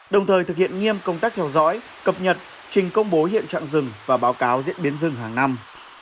đồng thời thực hiện nghiêm công tác theo dõi cập nhật trình công bố hiện trạng rừng và báo cáo diễn biến rừng hàng năm